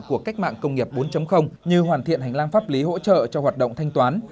của cách mạng công nghiệp bốn như hoàn thiện hành lang pháp lý hỗ trợ cho hoạt động thanh toán